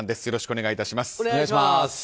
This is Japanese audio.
よろしくお願いします。